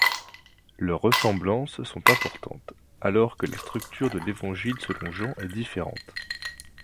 Leurs ressemblances sont importantes, alors que la structure de l'évangile selon Jean est différente.